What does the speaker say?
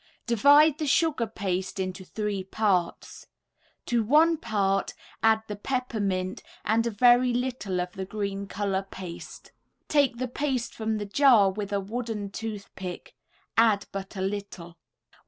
Divide the sugar paste into three parts. To one part add the peppermint and a very little of the green color paste. Take the paste from the jar with a wooden tooth pick, add but a little.